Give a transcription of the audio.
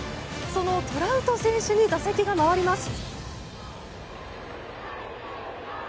そのトラウト選手に打席が回ります。